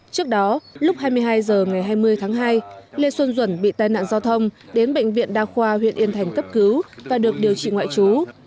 trước đó lúc hai mươi hai h ngày hai mươi tháng hai lê xuân duẩn bị tai nạn giao thông đến bệnh viện đa khoa huyện yên thành cấp cứu và được điều trị ngoại trú